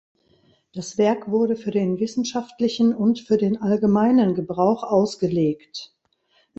Das Werk wurde für den wissenschaftlichen und für den allgemeinen Gebrauch ausgelegt.